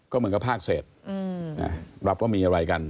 ก็เหมือนกับภาคเศษรับว่ามีอะไรกัน